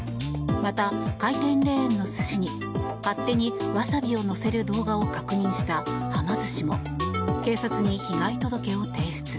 また、回転レーンの寿司に勝手にワサビを乗せる動画を確認したはま寿司も警察に被害届を提出。